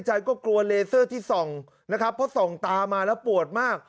ใจก็กลัวเลเซอร์ที่ส่องนะครับเพราะส่องตามาแล้วปวดมาก